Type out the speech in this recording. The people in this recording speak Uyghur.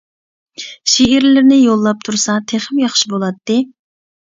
شېئىرلىرىنى يوللاپ تۇرسا تېخىمۇ ياخشى بولاتتى.